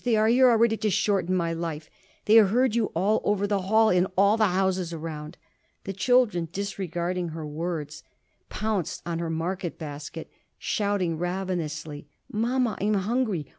They are here already to shorten my life! They heard you all over the hall, in all the houses around!" The children, disregarding her words, pounced on her market basket, shouting ravenously: "Mama, I'm hungry!